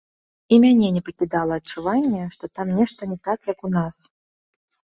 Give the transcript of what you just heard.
І мяне не пакідала адчуванне, што там нешта не так, як у нас.